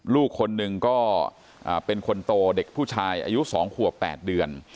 ลูกคนหนึ่งก็เป็นคนโตเด็กผู้ชายอายุ๒ขวบ๘เดือน